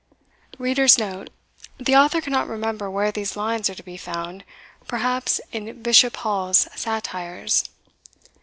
The author cannot remember where these lines are to be found: perhaps in Bishop Hall's Satires.